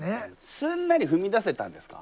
すんなり踏み出せたんですか？